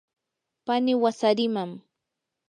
pani wasariman.